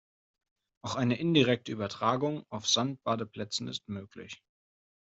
Auch eine indirekte Übertragung auf Sand-Badeplätzen ist möglich.